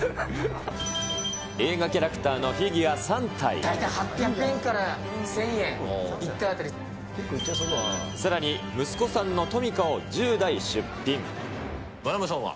映画キャラクターのフィギュ大体８００円から１０００円、さらに、息子さんのトミカをまなぶさんは。